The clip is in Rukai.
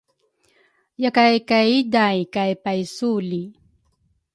yakay kay iday kay paysu li